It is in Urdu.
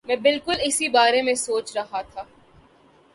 میں بالکل اسی بارے میں سوچ رہا تھا